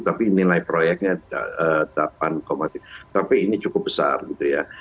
tapi nilai proyeknya delapan tiga tapi ini cukup besar gitu ya